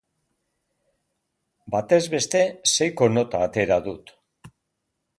Batez beste, seiko nota atera dut.